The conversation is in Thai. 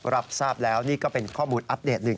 รับทราบแล้วนี่ก็เป็นข้อมูลอัปเดตหนึ่ง